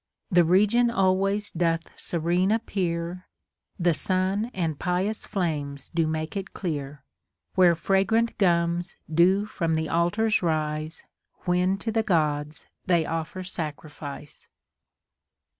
The region always doth serene appear, The sun and pious flames do make it clear, Where fragrant gums do from the altars rise. When to the Gods they offer sacrifice.